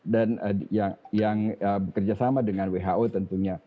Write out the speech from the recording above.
dan yang bekerja sama dengan who tentunya